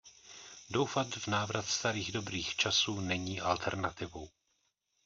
Doufat v návrat starých dobrých časů není alternativou.